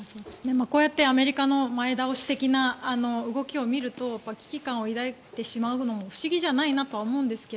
こうやってアメリカの前倒し的な動きを見ると危機感を抱いてしまうのも不思議じゃないなと思うんですが